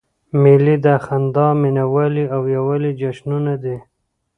مېلې د خندا، مینوالۍ او یووالي جشنونه دي.